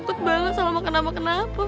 gue takut banget salah makan nama kenapa pak